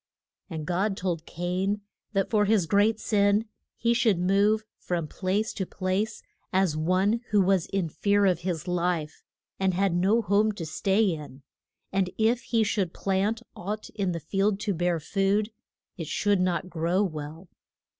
And God told Cain that for his great sin he should move from place to place, as one who was in fear of his life, and had no home to stay in. And if he should plant aught in the field to bear food, it should not grow well.